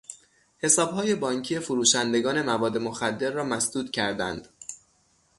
حسابهای بانکی فروشندگان مواد مخدر را مسدود کردند.